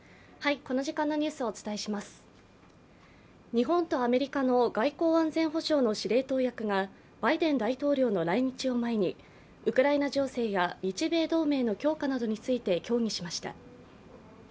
日本とアメリカの外交安全保障の司令塔役がバイデン大統領の来日を前にウクライナ情勢や日米同盟の強化などについて協議しました。